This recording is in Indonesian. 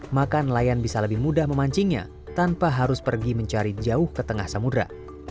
maka nelayan bisa lebih mudah memancingnya tanpa harus pergi mencari jauh ke tengah samudera